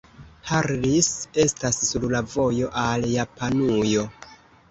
Harris estas sur la vojo al Japanujo.